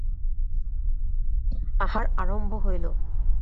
আহার আরম্ভ হইল।